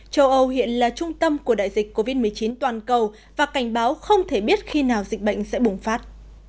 châu âu hiện là trung tâm của đại dịch covid một mươi chín toàn cầu và cảnh báo không thể biết khi nào dịch bệnh sẽ bùng phát